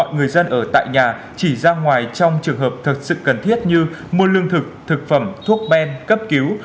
người dân ở tại nhà chỉ ra ngoài trong trường hợp thật sự cần thiết như mua lương thực thực phẩm thuốc ben cấp cứu